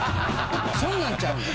そんなんちゃうねん。